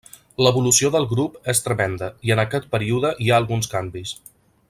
L'evolució del grup és tremenda, i en aquest període hi ha alguns canvis.